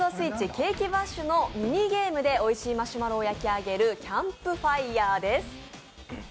「ケーキバッシュ」のミニゲームでおいしいマシュマロを焼き上げる「キャンプファイヤー」です。